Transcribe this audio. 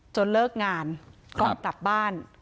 จนเลิกงานก็ตัดบ้าน